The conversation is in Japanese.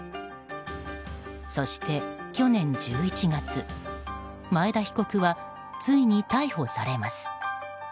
そして去年１１月、前田被告はついに逮捕されます。